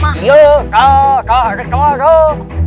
toh toh adik semua toh